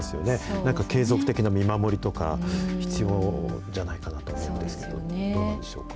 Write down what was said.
なんか継続的な見守りとか、必要じゃないかなと思うんですけど、そうですよね。